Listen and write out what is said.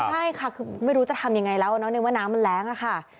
ใช่ค่ะคือไม่รู้จะทำยังไงแล้วนึกว่าน้ำมันแรงอะค่ะ